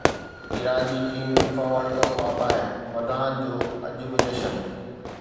Iran جي team FIFA world cup مان ٻاهر، مداحن جو اڄ به جشن